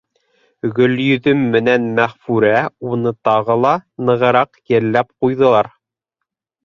Гөлйөҙөм менән Мәғфүрә уны тағы ла нығыраҡ йәлләп ҡуйҙылар.